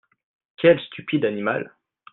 Quel stupide animal !